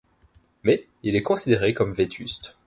Mais il est considéré comme vétuste.